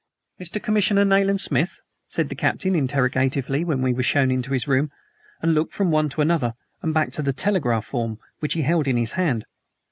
"Mr. Commissioner Nayland Smith?" said the captain interrogatively, when we were shown into his room, and looked from one to another and back to the telegraph form which he held in his hand.